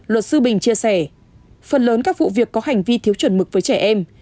luật sư bình chia sẻ phần lớn các vụ việc có hành vi thiếu chuẩn mực với trẻ em